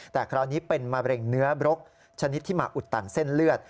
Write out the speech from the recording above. แต่คราวนี้เป็นมะเร็งเนื้อบรกชนิดที่มาอุดตันเส้นเลือด